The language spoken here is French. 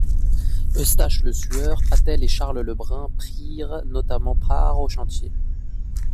Eustache Le Sueur, Patel et Charles Le Brun prirent notamment part au chantier.